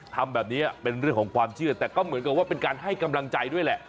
ทำแบบนี้เป็นเรื่องของความเชื่อแต่ก็เหมือนกับว่าเป็นการให้กำลังใจด้วยแหละ